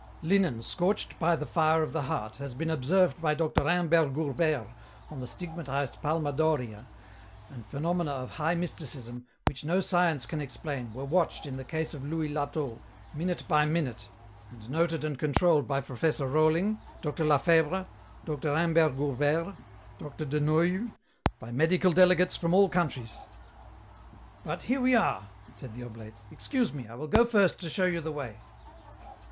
" Linen scorched by the fire of the heart has been observed by Dr. Imbert Gourbeyre on the stigmatized Palma d'Oria, 224 EN ROUTE. and phenomena of high mysticism, which no science can explain, were watched in the case of Louise Lateau, minute by minute, and noted and controlled by Professor Rohling, Dr. Lafebvre, Dr. Imbert Gourbeyre, Dr. de Noiie, by medical delegates from all countries. ,.." But here we are," said the oblate ;" excuse me, I will go first to show you the way."